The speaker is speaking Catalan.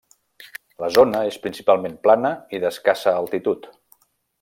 La zona és principalment plana i d'escassa altitud.